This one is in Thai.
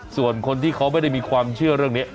ส่วนคนที่เขาไม่ได้มีความเชื่อเรื่องนี้